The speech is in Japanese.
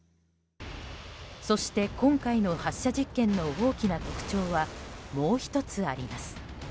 そして今回の発射実験の大きな特徴はもう１つあります。